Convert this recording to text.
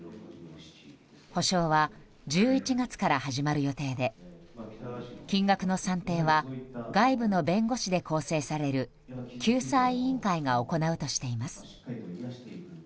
補償は１１月から始まる予定で金額の算定は外部の弁護士で構成される救済委員会が行うとしています。